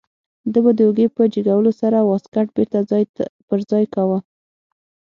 ده به د اوږې په جګولو سره واسکټ بیرته ځای پر ځای کاوه.